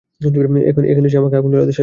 এখানে এসে আমাকে আগুল জ্বালাতে সাহায্য করুন।